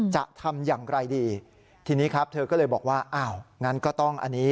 จะทำอย่างไรดีทีนี้ครับเธอก็เลยบอกว่าอ้าวงั้นก็ต้องอันนี้